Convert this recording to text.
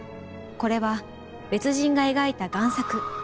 これは別人が描いた。